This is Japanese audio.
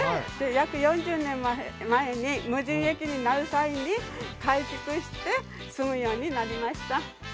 約４０年前に無人駅になる際に改築して住むようになりました。